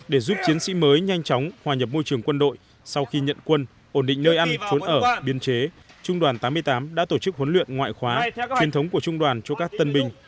để giúp chiến sĩ mới nhanh chóng hòa nhập môi trường quân đội sau khi nhận quân ổn định nơi ăn trốn ở biên chế trung đoàn tám mươi tám đã tổ chức huấn luyện ngoại khóa truyền thống của trung đoàn cho các tân binh